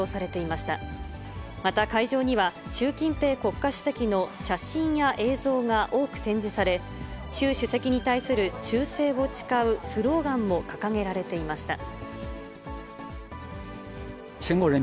また会場には、習近平国家主席の写真や映像が多く展示され、習主席に対する忠誠を誓うスローガンも掲げられていました。